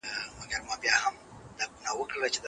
کله چي هغه وګرځېدی، نو ټول ورته په تمه وو.